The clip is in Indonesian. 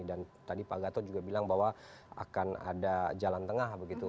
dan tadi pak gatot juga bilang bahwa akan ada jalan tengah begitu